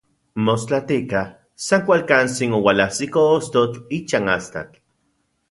Mostlatika, san kualkantsin oualajsiko ostotl ichan astatl.